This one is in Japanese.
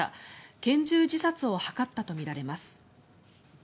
拳銃自殺を図ったとみられます。